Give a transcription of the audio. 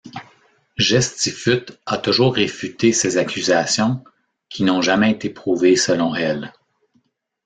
Gestifute a toujours réfuté ces accusations, qui n'ont jamais été prouvées selon elle.